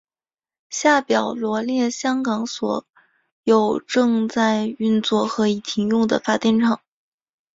下表罗列香港所有正在运作和已停用的发电厂。